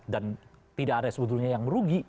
dan tidak ada yang sebetulnya yang merugi